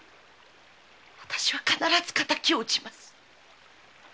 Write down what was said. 私は必ず敵を討ちます。